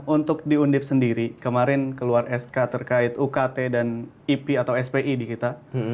untuk diundip sendiri kemarin keluar sk terkait ukt dan ip atau spi di kita